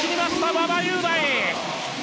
馬場雄大！